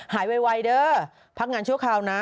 ไวเด้อพักงานชั่วคราวนะ